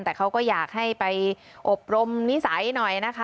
แต่เขาก็อยากให้ไปอบรมนิสัยหน่อยนะคะ